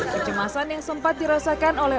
kecemasan yang sempat dirasakan oleh